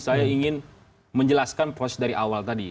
saya ingin menjelaskan proses dari awal tadi